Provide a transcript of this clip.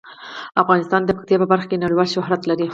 افغانستان د پکتیکا په برخه کې نړیوال شهرت لري.